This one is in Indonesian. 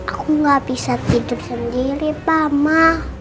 aku gak bisa tidur sendiri mama